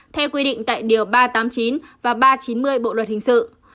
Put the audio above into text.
theo quy định tại điều ba trăm tám mươi chín và ba trăm chín mươi bộ luật hình sự